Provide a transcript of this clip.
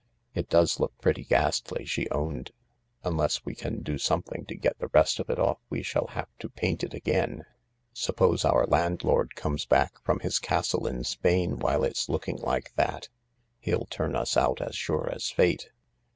It does look pretty ghastly," she owned; "unless we can do something to get the rest of it off we shall have to paint it again." "Suppose our landlord comes back from his castle in Spain while it's looking like that ? He'll turn us out as sure as fate."